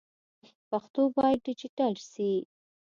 پښتو باید ډيجيټل سي.